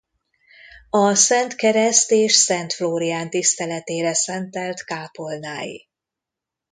A Szent Kereszt és Szent Flórián tiszteletére szentelt kápolnái.